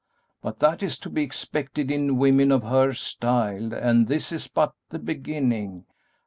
But that is to be expected in women of her style, and this is but the beginning.